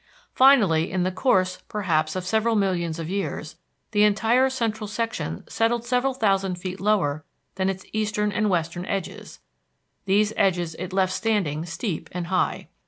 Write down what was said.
Finally, in the course, perhaps, of some millions of years, the entire central section settled several thousand feet lower than its eastern and western edges; these edges it left standing steep and high.